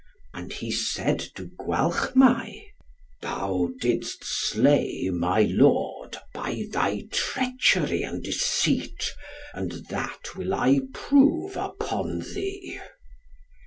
And he said to Gwalchmai, "Thou didst slay my lord, by thy treachery and deceit, and that will I prove upon thee."